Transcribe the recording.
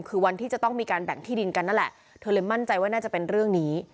คือวันที่จะต้องมีการแบ่งที่ดินกันนั่นแหละเธอเลยมั่นใจว่าน่าจะเป็นเรื่องนี้